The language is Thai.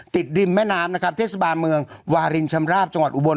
ริมแม่น้ำนะครับเทศบาลเมืองวารินชำราบจังหวัดอุบล